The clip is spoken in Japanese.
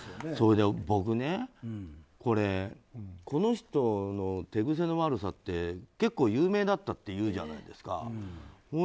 それで僕、この人の手癖の悪さって結構有名だったっていうじゃないですか。